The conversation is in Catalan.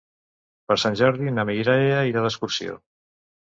Per Sant Jordi na Mireia irà d'excursió.